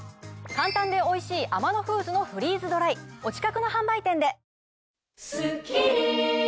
簡単でおいしいアマノフーズのフリーズドライお近くの販売店で。